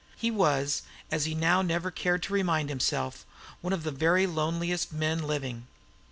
He was, as he now never cared to remind himself, one of the very loneliest men living.